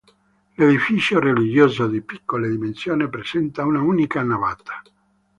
L'edificio religioso di piccole dimensioni presenta un'unica navata.